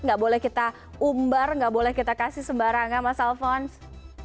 nggak boleh kita umbar nggak boleh kita kasih sembarangan mas alphonse